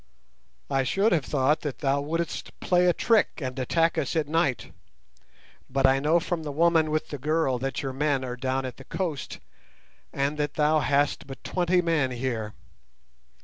"I should have thought that thou wouldst play a trick and attack us at night, but I know from the woman with the girl that your men are down at the coast, and that thou hast but twenty men here.